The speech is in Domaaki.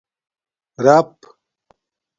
رپ